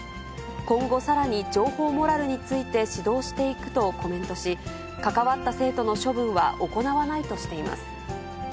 今後さらに情報モラルについて指導していくとコメントし、関わった生徒の処分は行わないとしています。